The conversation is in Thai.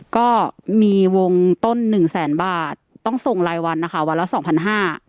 ก็มีวงต้นหนึ่งแสนบาทต้องส่งรายวันนะคะวันละสองพันห้า